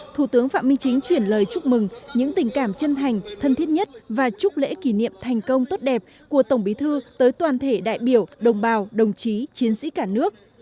thủ tướng phạm minh chính chuyển lời chúc mừng những tình cảm chân thành thân thiết nhất và chúc lễ kỷ niệm thành công tốt đẹp của tổng bí thư tới toàn thể đại biểu đồng bào đồng chí chiến sĩ cả nước